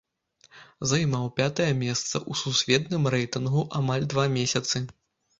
Займаў пятае месца ў сусветным рэйтынгу амаль два месяцы.